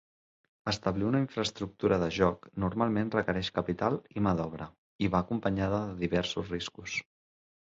Establir una infraestructura de joc normalment requereix capital i mà d'obra, i va acompanyada de diversos riscos.